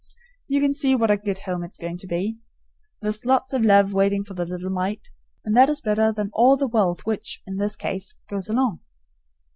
You can see what a good home it's going to be. There's lots of love waiting for the little mite, and that is better than all the wealth which, in this case, goes along.